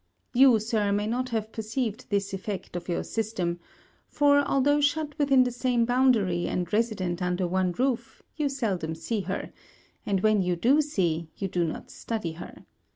You, Sir, may not have perceived this effect of your system; for, although shut within the same boundary and resident under one roof, you seldom see her, and when you do see, you do not study her.